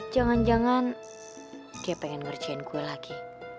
jangan jangan gue pengen ngerjain gue lagi